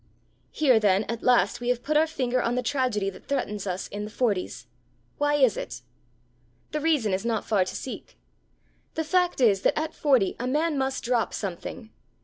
Here, then, at last we have put our finger on the tragedy that threatens us in the forties. Why is it? The reason is not far to seek. The fact is that at forty a man must drop something.